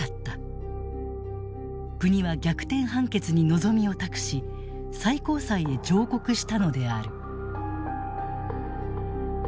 国は逆転判決に望みを託し最高裁へ上告したのである。